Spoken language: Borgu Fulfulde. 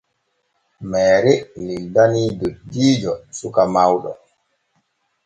Meere lildani dottiijo suka mawɗo.